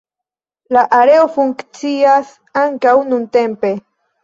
La areo funkcias ankaŭ nuntempe.